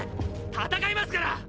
戦いますから！